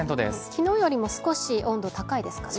きのうよりも少し温度高いですかね。